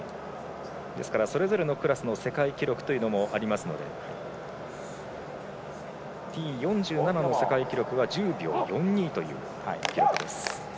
ですからそれぞれのクラスの世界記録もありますのでＴ４７の世界記録は１０秒４２です。